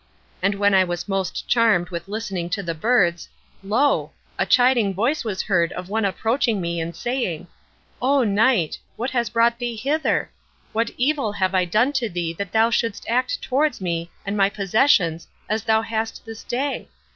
And when I was most charmed with listening to the birds, lo! a chiding voice was heard of one approaching me and saying: 'O knight, what has brought thee hither? What evil have I done to thee that thou shouldst act towards me and my possessions as thou hast this day?